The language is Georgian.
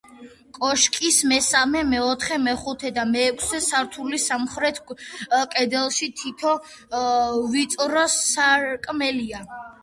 კოშკის მესამე, მეოთხე, მეხუთე და მეექვსე სართულის სამხრეთ კედელში თითო ვიწრო სარკმელია.